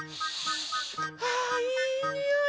あいいにおい。